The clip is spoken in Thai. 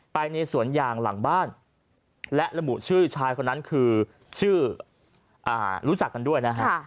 ไปในสวนยางหลังบ้านและระบุชื่อชายคนนั้นคือชื่อรู้จักกันด้วยนะฮะ